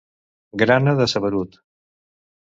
Grana de saberut!